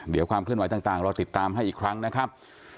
เดี๋ยวความเคลื่อนไหวต่างเราติดตามให้อีกครั้งนะครับ